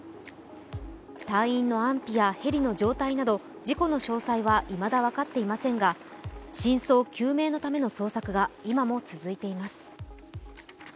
隊員の安否やヘリの状態など事故の詳細はいまだ分かっていませんが、真相究明のための捜索が今も続いています。